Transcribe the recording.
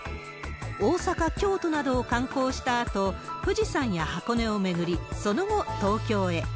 大阪、京都などを観光したあと、富士山や箱根を巡り、その後、東京へ。